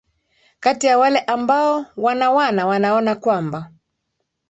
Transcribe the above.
kati ya wale ambao wana wana wanaona kwamba